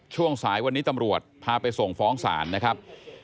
ช่วงสายวันนี้ตำรวจพาไปส่งฟ้องศาลนะครับ